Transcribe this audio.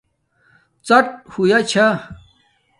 ڎاٹ ہویا چھا